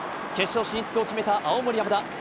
決勝進出を決めた青森山田。